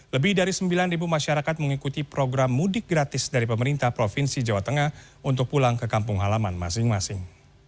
lebih dari sembilan masyarakat mengikuti program mudik gratis dari pemerintah provinsi jawa tengah untuk pulang ke kampung halaman masing masing